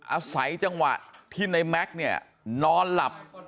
อาศัยจังหวะที่ในแม็กซ์เนี่ยนอนหลับ